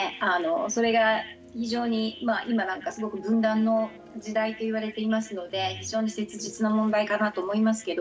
それが非常に今なんかすごく分断の時代といわれていますので非常に切実な問題かなと思いますけど。